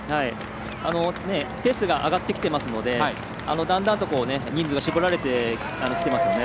ペースが上がってきていますのでだんだんと人数が絞られてきてますよね。